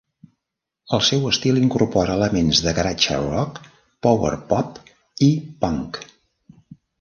El seu estil incorpora elements de garage rock, power-pop i punk.